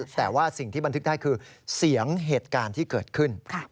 แต่ว่าสิ่งที่บันทึกได้คือเสียงเหตุการณ์ที่เกิดขึ้น